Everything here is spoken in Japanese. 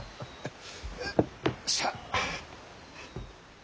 さあ。